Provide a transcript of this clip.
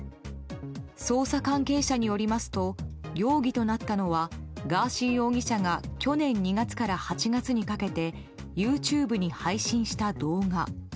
捜査関係者によりますと容疑となったのはガーシー容疑者が去年２月から８月にかけてＹｏｕＴｕｂｅに配信した動画。